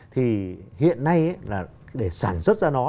thì hiện nay để sản xuất ra nó